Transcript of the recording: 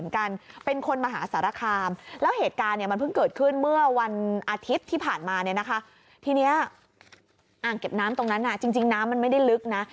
เก็บน้ำตรงนั้นน่ะจริงน้ำมันไม่ได้ลึกนะ